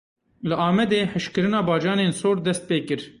Li Amedê hişkkirina bacanên sor dest pê kir.